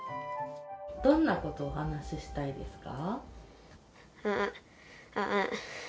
どんなことをお話ししたいですか。